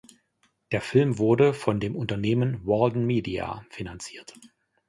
Der Film wurde von dem Unternehmen "Walden Media" finanziert.